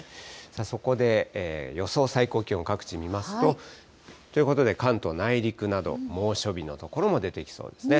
そこで予想最高気温、各地見ますと。ということで関東内陸など、猛暑日の所も出てきそうですね。